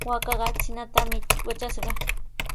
Waakaqa trinatami watrashqa.